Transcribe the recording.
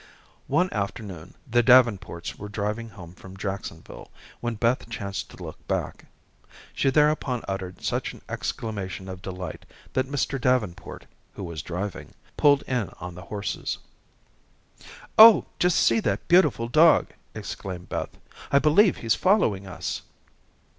One afternoon the Davenports were driving home from Jacksonville, when Beth chanced to look back. She thereupon uttered such an exclamation of delight that Mr. Davenport, who was driving, pulled in on the horses. "Oh, just see the beautiful dog!" exclaimed Beth. "I believe he's following us."